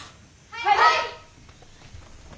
はい！